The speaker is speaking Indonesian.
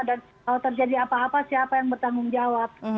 dan kalau terjadi apa apa siapa yang bertanggung jawab